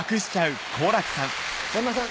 山田さん